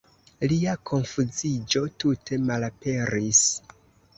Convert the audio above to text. Lia konfuziĝo tute malaperis.